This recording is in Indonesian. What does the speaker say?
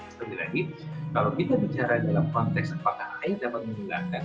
sekali lagi kalau kita bicara dalam konteks apakah air dapat menghilangkan